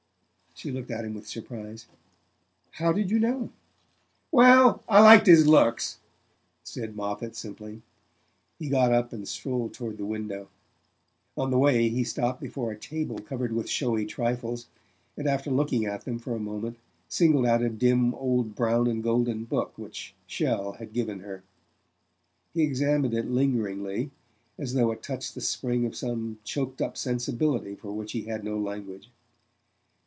She looked at him with surprise. "How did you know?" "Why, I liked his looks," said Moffatt simply. He got up and strolled toward the window. On the way he stopped before a table covered with showy trifles, and after looking at them for a moment singled out a dim old brown and golden book which Chelles had given her. He examined it lingeringly, as though it touched the spring of some choked up sensibility for which he had no language.